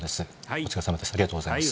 お疲れさまです。